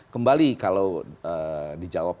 kembali kalau dijawab